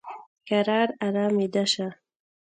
کرار ارام ویده شه !